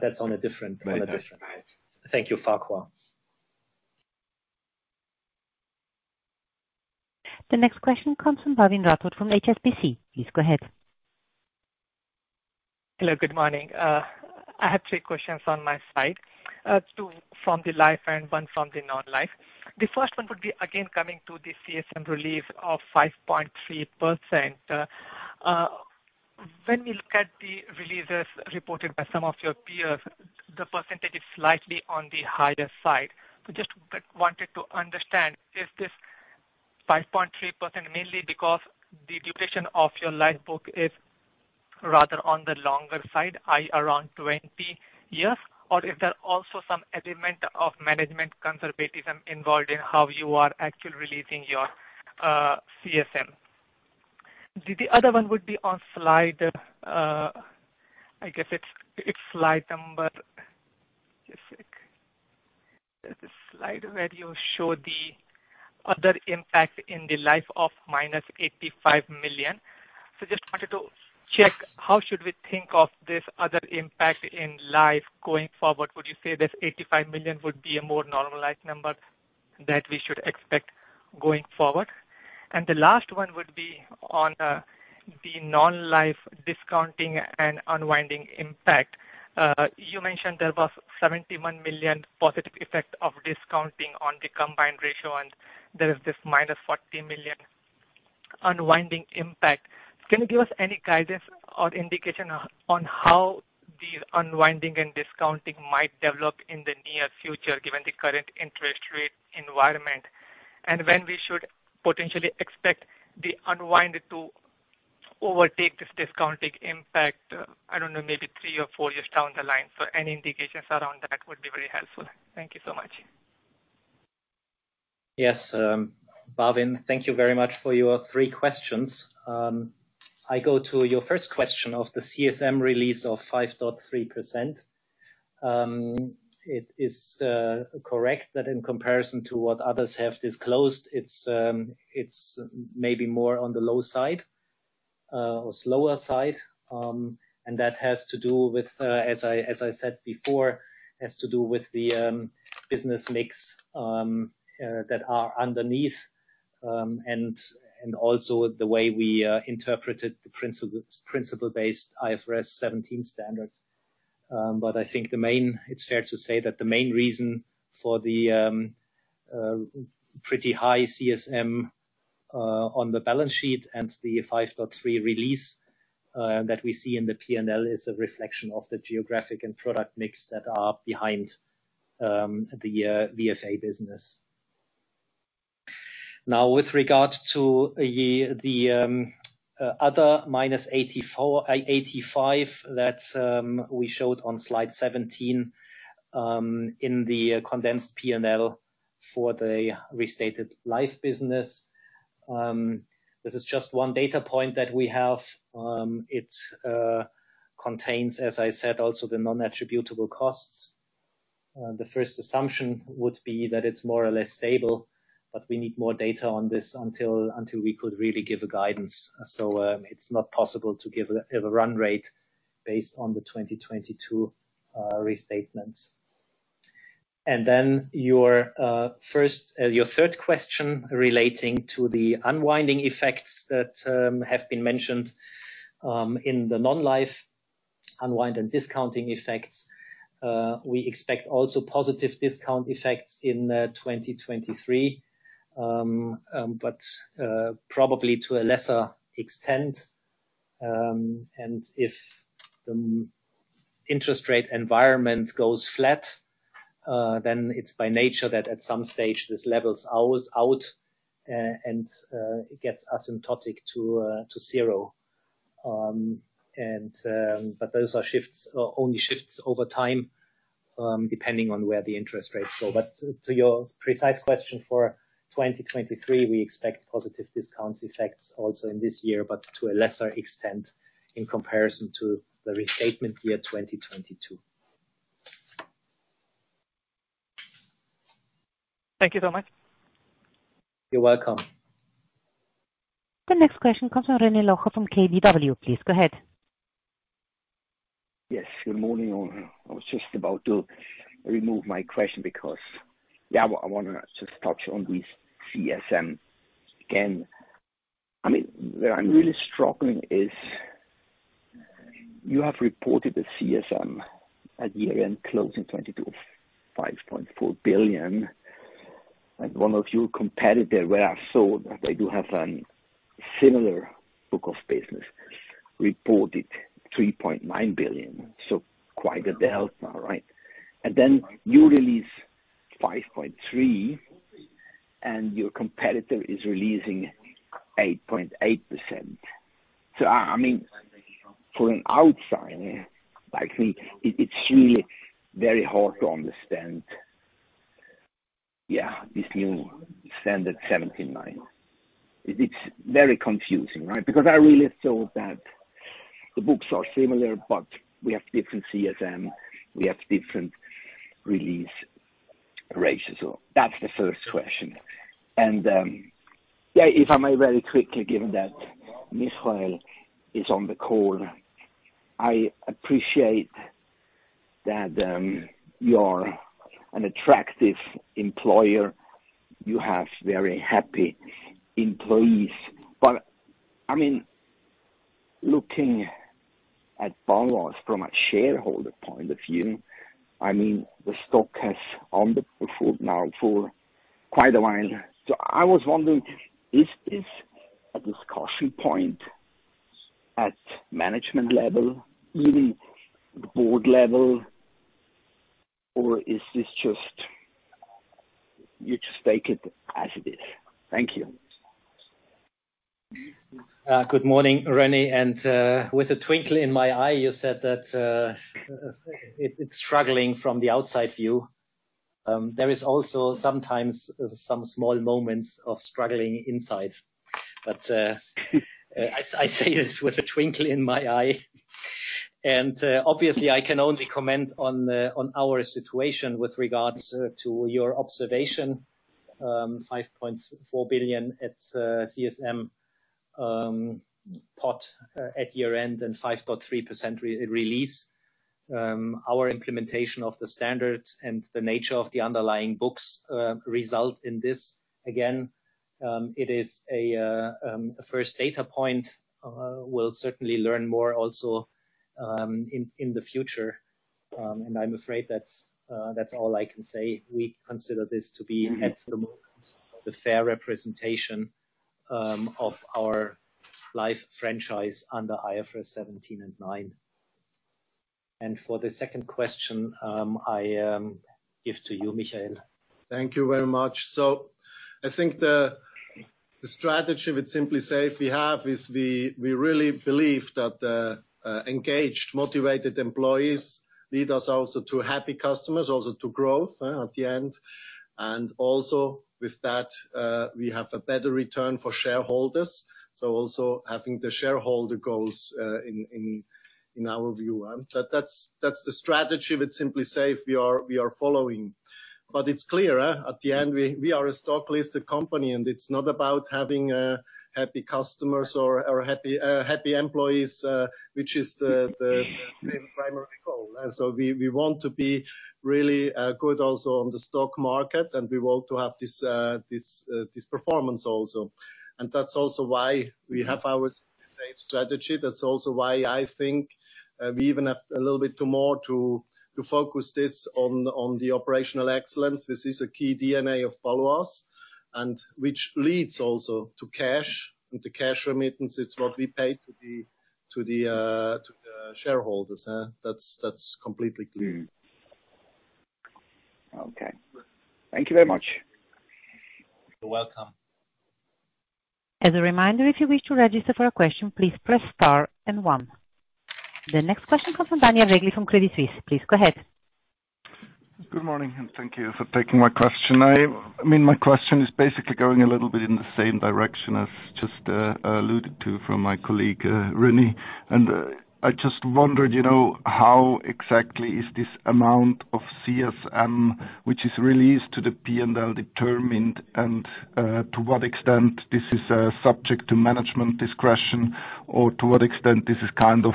That's on a different, on a different- Right. Thank you, Farquhar. The next question comes from Bhavin Rathod from HSBC. Please go ahead. Hello, good morning. I have three questions on my side, two from the Life and one from the Non-Life. The first one would be, again, coming to the CSM relief of 5.3%. When we look at the releases reported by some of your peers, the percentage is slightly on the higher side. Just, like, wanted to understand, is this 5.3% mainly because the duration of your Life book is rather on the longer side, i.e., around 20 years, or is there also some element of management conservatism involved in how you are actually releasing your CSM? The other one would be on slide... I guess it's slide number, just check. There's a slide where you show the other impact in the Life of -85 million. Just wanted to check, how should we think of this other impact in Life going forward? Would you say this 85 million would be a more normalized number that we should expect going forward? The last one would be on the Non-Life discounting and unwinding impact. You mentioned there was 71 million positive effect of discounting on the combined ratio, and there is this minus 40 million unwinding impact. Can you give us any guidance or indication on how the unwinding and discounting might develop in the near future, given the current interest rate environment? And when we should potentially expect the unwind to overtake this discounting impact, I don't know, maybe three or four years down the line. Any indications around that would be very helpful. Thank you so much. Bhavin, thank you very much for your three questions. I go to your first question of the CSM release of 5.3%. It is correct that in comparison to what others have disclosed, it's maybe more on the low side or slower side. That has to do with, as I said before, has to do with the business mix that are underneath, and also the way we interpreted the principle-based IFRS 17 standards. I think it's fair to say that the main reason for the pretty high CSM on the balance sheet and the 5.3% release that we see in the P&L, is a reflection of the geographic and product mix that are behind the VFA business. With regard to the other -85, that we showed on slide 17 in the condensed P&L for the restated Life business, this is just one data point that we have. It contains, as I said, also the non-attributable costs. The first assumption would be that it's more or less stable, but we need more data on this until we could really give a guidance. It's not possible to give a run rate based on the 2022 restatements. Your first, your third question relating to the unwinding effects that have been mentioned in the Non-Life unwind and discounting effects. We expect also positive discount effects in 2023, but probably to a lesser extent. If the interest rate environment goes flat, then it's by nature that at some stage, this levels ours out, and it gets asymptotic to zero. Those are shifts, only shifts over time, depending on where the interest rates go. To your precise question, for 2023, we expect positive discount effects also in this year, but to a lesser extent in comparison to the restatement year, 2022. Thank you so much. You're welcome. The next question comes from René Locher from KBW. Please, go ahead. Good morning, all. I wanna just touch on this CSM again. I mean, where I'm really struggling is, you have reported the CSM at year-end closing 2022, 5.4 billion, and one of your competitor, where I saw that they do have a similar book of business, reported 3.9 billion, quite a delta, right? Then you release 5.3%, and your competitor is releasing 8.8%. I mean, from an outside, like me, it's really very hard to understand this new standard 17/9. It's very confusing, right? Because I really thought that the books are similar, but we have different CSM, we have different release ratios. That's the first question. Yeah, if I may very quickly, given that Michael Müller is on the call, I appreciate that you're an attractive employer, you have very happy employees. I mean, looking at Baloise from a shareholder point of view, I mean, the stock has underperformed now for quite a while. I was wondering, is this a discussion point at management level, even the board level, or is this just You just take it as it is? Thank you. Good morning, René, with a twinkle in my eye, you said that it's struggling from the outside view. There is also sometimes some small moments of struggling inside. I say this with a twinkle in my eye, obviously, I can only comment on our situation with regards to your observation. 5.4 billion at CSM pot at year-end, 5.3% re-release. Our implementation of the standards and the nature of the underlying books result in this. Again, it is a first data point. We'll certainly learn more also in the future. I'm afraid that's all I can say. We consider this to be, at the moment, the fair representation, of our life franchise under IFRS 17 and 9. For the second question, I give to you, Michael. Thank you very much. I think the strategy with Simply Safe we have is we really believe that engaged, motivated employees lead us also to happy customers, also to growth at the end, and also with that we have a better return for shareholders, also having the shareholder goals in our view. That's the strategy with Simply Safe we are following. It's clear at the end, we are a stock-listed company, and it's not about having happy customers or happy employees, which is the primary goal. We want to be really good also on the stock market, and we want to have this performance also. That's also why we have our same strategy. That's also why I think, we even have a little bit to more to focus this on the operational excellence. This is a key DNA of Baloise, and which leads also to cash, and to cash remittance, it's what we pay to the shareholders, that's completely clear. Okay. Thank you very much. You're welcome. As a reminder, if you wish to register for a question, please press star and one. The next question comes from Daniel Regli from Credit Suisse. Please go ahead. Good morning, and thank you for taking my question. I mean, my question is basically going a little bit in the same direction as just alluded to from my colleague, René. I just wondered, you know, how exactly is this amount of CSM, which is released to the P&L, determined? To what extent this is subject to management discretion, or to what extent this is kind of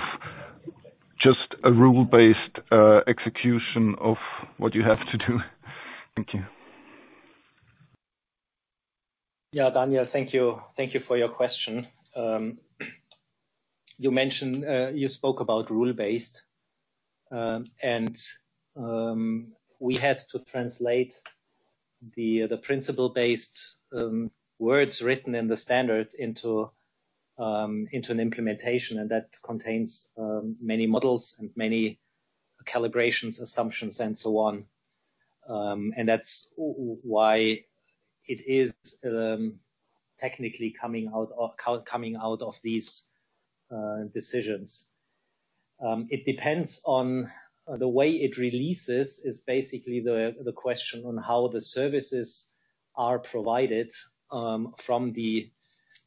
just a rule-based execution of what you have to do? Thank you. Yeah, Daniel, thank you. Thank you for your question. You mentioned you spoke about rule-based and we had to translate the principle-based words written in the standard into an implementation. That contains many models and many calibrations, assumptions, and so on. That's why it is technically coming out of these decisions. It depends on the way it releases, is basically the question on how the services are provided from the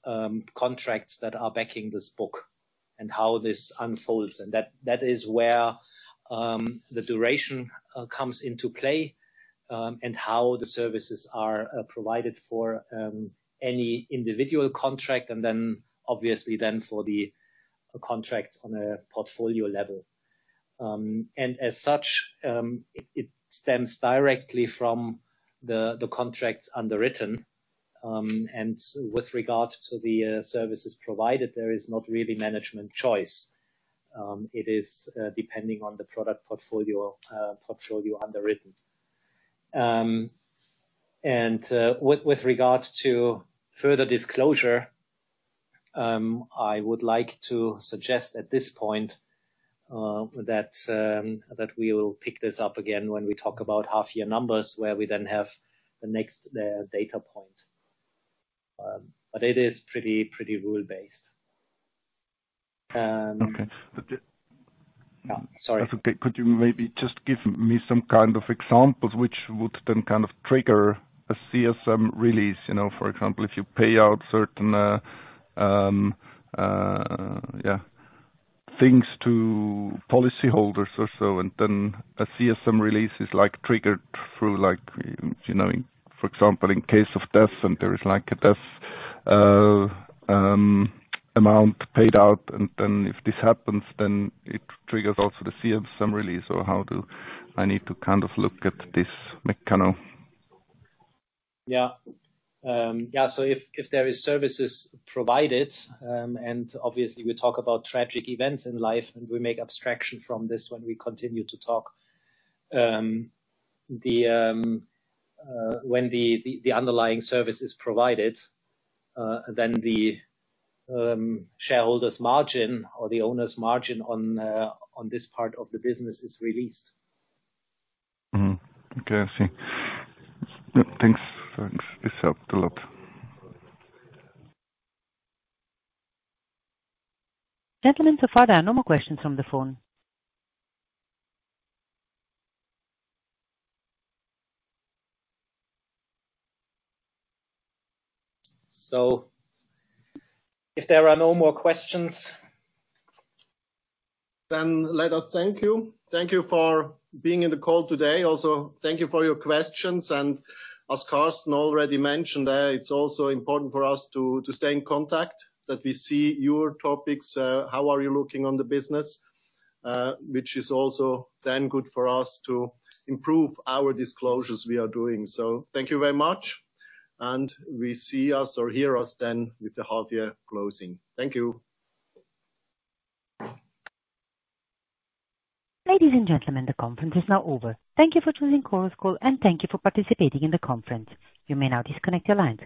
contracts that are backing this book and how this unfolds. That is where the duration comes into play and how the services are provided for any individual contract, and then obviously then for the contracts on a portfolio level. As such, it stems directly from the contracts underwritten. With regard to the services provided, there is not really management choice. It is depending on the product portfolio underwritten. With regard to further disclosure, I would like to suggest at this point that we will pick this up again when we talk about half-year numbers, where we then have the next data point. It is pretty rule-based. Okay. Yeah, sorry. That's okay. Could you maybe just give me some kind of examples which would then kind of trigger a CSM release? You know, for example, if you pay out certain things to policyholders or so, and then a CSM release is, like, triggered through, like, you know, for example, in case of death, and there is, like, a death amount paid out, and then if this happens, then it triggers also the CSM release. How do I need to kind of look at this mechanism? Yeah. If there is services provided, and obviously we talk about tragic events in life, and we make abstraction from this when we continue to talk, when the underlying service is provided, then the shareholder's margin or the owner's margin on this part of the business is released. Mm-hmm. Okay, I see. Yeah, thanks. Thanks. This helped a lot. Gentlemen, so far, there are no more questions on the phone. If there are no more questions. Let us thank you. Thank you for being in the call today. Also, thank you for your questions. As Carsten already mentioned, it's also important for us to stay in contact, that we see your topics, how are you looking on the business, which is also then good for us to improve our disclosures we are doing. Thank you very much, and we see us or hear us then with the half year closing. Thank you. Ladies and gentlemen, the conference is now over. Thank you for choosing Chorus Call, and thank you for participating in the conference. You may now disconnect your lines.